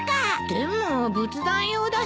でも仏壇用だしね。